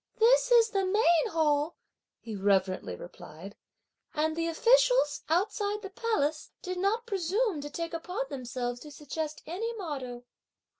"This is the main Hall," he reverently replied, "and the officials, outside the palace, did not presume to take upon themselves to suggest any motto."